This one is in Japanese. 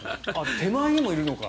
手前にもいるのか。